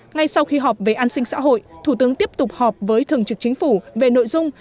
ngay sau khi họp về an sinh xã hội thủ tướng tiếp tục họp với thường trực chính phủ về nội dung